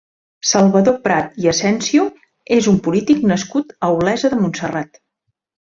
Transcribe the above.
Salvador Prat i Asensio és un polític nascut a Olesa de Montserrat.